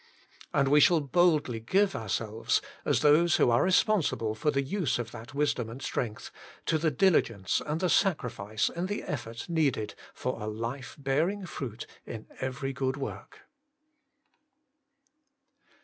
And we shall boldly give ourselves, as those who are responsible for the use of that wisdom and strength, to the diligence and the sacrifice and the effort needed for a life bearing fruit in every good work.